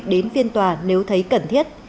đến phiên tòa nếu thấy cần thiết